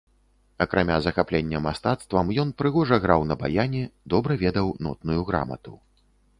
Акрамя захаплення мастацтвам, ён прыгожа граў на баяне, добра ведаў нотную грамату.